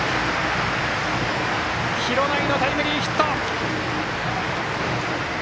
廣内のタイムリーヒット。